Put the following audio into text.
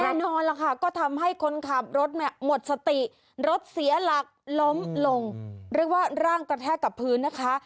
แน่นอนล่ะค่ะก็ทำให้คนขับรถเนี่ยหมดสติรถเสียหลักล้มลงเรียกว่าร่างกระแทกกับพื้นนะคะ